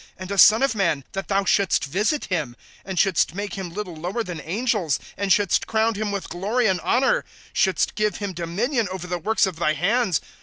And a son of man, that thou shouldst visit him ;^ And shouldst make him little lower than angels, And shouldst crown him with glory and honor ;* Shouldst give him dominion over the works of thy hands